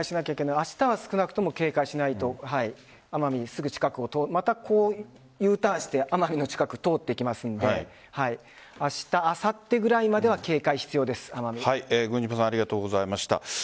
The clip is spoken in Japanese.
あしたは少なくとも警戒しないと奄美すぐ近くをまたＵターンしてまた奄美の近くを通っていきますのであした、あさってぐらいまでは郡嶌さんありがとうございました。